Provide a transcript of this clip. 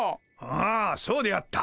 ああそうであった。